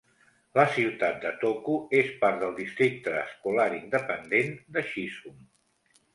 La ciutat de Toco es part del Districte Escolar Independent de Chisum.